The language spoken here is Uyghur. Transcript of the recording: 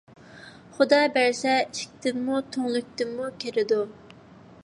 خۇدا بەرسە ئىشىكتىنمۇ، تۈڭلۈكتىنمۇ كىرىدۇ